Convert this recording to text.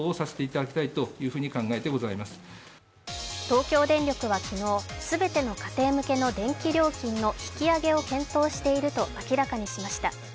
東京電力は昨日全ての家庭向けの電気料金の引き上げを検討していると明らかにしました。